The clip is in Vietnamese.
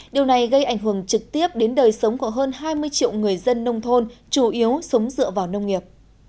điều này gây ảnh hưởng trực tiếp đến đời sống của hơn hai mươi triệu người dân nông thôn chủ yếu sống dựa vào nông nghiệp